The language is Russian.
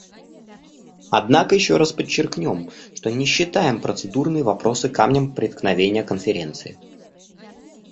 Однако еще раз подчеркнем, что не считаем процедурные вопросы камнем преткновения Конференции.